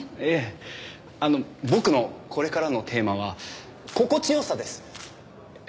あの僕のこれからのテーマは「心地良さ」です。